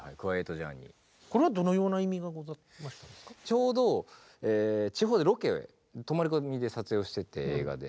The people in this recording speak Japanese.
ちょうど地方でロケ泊まり込みで撮影をしてて映画で。